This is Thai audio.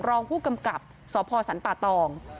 รองผู้กำกับสพสรรป่าตอง